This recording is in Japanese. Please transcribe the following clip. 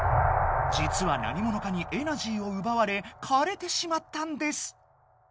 じつは何ものかにエナジーをうばわれかれてしまったんです。